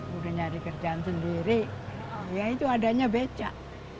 udah nyari kerjaan sendiri ya itu adanya becak